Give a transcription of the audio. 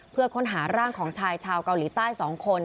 เพื่อค้นหาร่างของชายชาวเกาหลีใต้๒คน